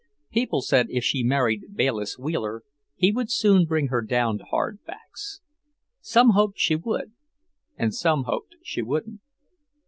People said if she married Bayliss Wheeler, he would soon bring her down to hard facts. Some hoped she would, and some hoped she wouldn't.